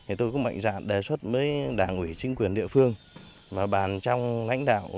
thì tôi cũng mạnh dạng đề xuất với đảng ủy chính quyền địa phương và bàn trong lãnh đạo